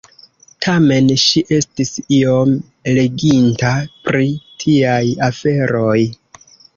Tamen ŝi estis iom leginta pri tiaj aferoj.